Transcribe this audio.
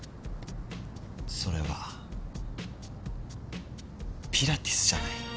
それはピラティスじゃない？